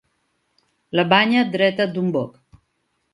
La banya dreta d'un boc.